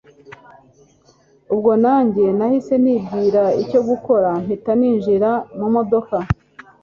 ubwo nanjye nahise nibwiriza icyo gukora, mpita ninjira mu modoka